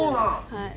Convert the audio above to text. はい。